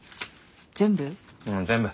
全部？